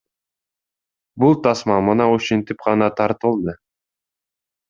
Бул тасма мына ушинтип гана тартылды.